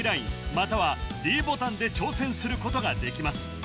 ＬＩＮＥまたはｄボタンで挑戦することができます